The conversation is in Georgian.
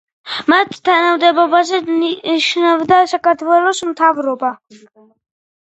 მათ თანამდებობაზე ნიშნავდა საქართველოს მთავრობა.